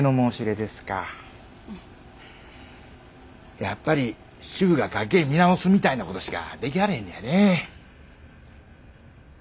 やっぱり主婦が家計見直すみたいなことしかできはれへんのやねぇ。